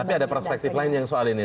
tapi ada perspektif lainnya soal ini